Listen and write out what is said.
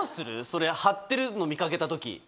それ貼ってるの見掛けた時。